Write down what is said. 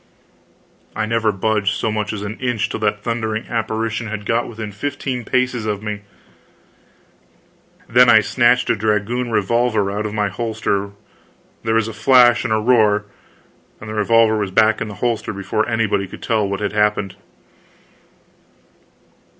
I never budged so much as an inch till that thundering apparition had got within fifteen paces of me; then I snatched a dragoon revolver out of my holster, there was a flash and a roar, and the revolver was back in the holster before anybody could tell what had happened.